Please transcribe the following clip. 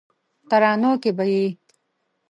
ترانو کې به یې